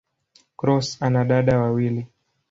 Cross ana dada wawili.